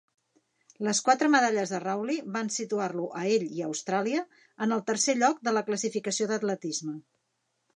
Les quatre medalles de Rowley van situar-lo a ell i a Austràlia en el tercer lloc de la classificació d'atletisme.